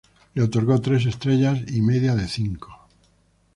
Le otorgó tres estrellas y media de cinco.